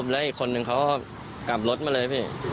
แล้วอีกคนนึงเขาก็กลับรถมาเลยพี่